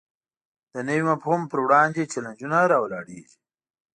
د نوي فهم پر وړاندې چلینجونه راولاړېږي.